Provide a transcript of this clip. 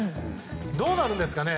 どうなるんですかね？